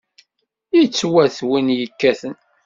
Yettwat win yekkaten.